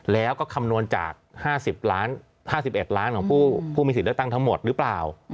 แล้วก็คำนวณจาก๕๑ล้านของผู้มีสิทธิ์เลือกตั้งทั้งหมดหรือเปล่า